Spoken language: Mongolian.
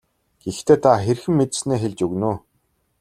Гэхдээ та хэрхэн мэдсэнээ хэлж өгнө үү.